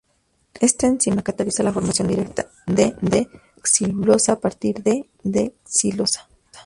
Esta enzima cataliza la formación directa de D-xilulosa a partir de D-xilosa.